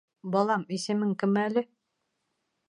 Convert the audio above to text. — Балам, исемең кем әле?